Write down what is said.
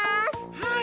はい。